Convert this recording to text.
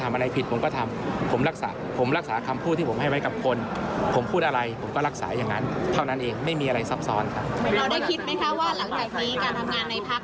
เราได้คิดไหมคะว่าหลังจากนี้การทำงานในพัก